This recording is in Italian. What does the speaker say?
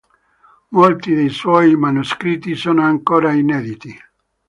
Molti dei suoi manoscritti sono ancora inediti.